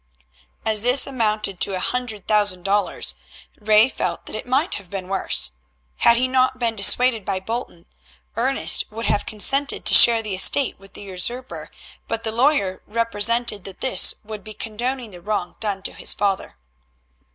As this amounted to a hundred thousand dollars, Ray felt that it might have been worse. Had he not been dissuaded by Bolton, Ernest would have consented to share the estate with the usurper, but the lawyer represented that this would be condoning the wrong done to his father.